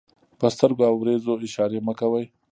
په سترګو او وريځو اشارې مه کوئ!